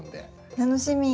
楽しみ！